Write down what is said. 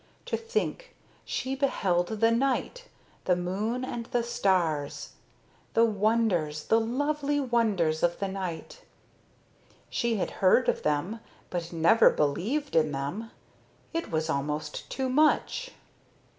To think she beheld the night, the moon, and the stars the wonders, the lovely wonders of the night! She had heard of them but never believed in them. It was almost too much.